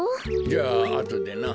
じゃああとでな。